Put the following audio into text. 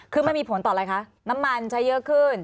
คือมันมีผลต่ออะไรคะน้ำมันใช้เยอะขึ้น